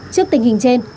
trước tình hình trên